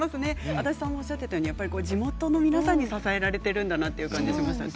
足立さんもおっしゃっていたように地元の皆さんに支えられていると感じましたね。